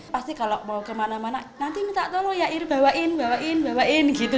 pasti kalau mau kemana mana nanti minta tolong ya ir bawain bawain bawain gitu